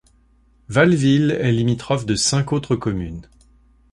Vallesvilles est limitrophe de cinq autres communes.